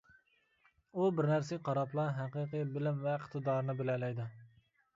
ئۇ بىر نەرسىگە قاراپلا، ھەقىقىي بىلىم ۋە ئىقتىدارىنى بىلەلەيدۇ.